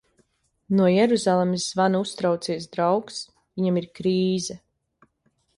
No Jeruzalemes zvana uztraucies draugs, viņam ir krīze.